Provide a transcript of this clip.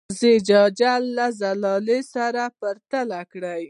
زجاجیه له زلالیې سره پرتله کړئ.